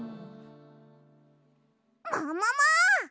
ももも！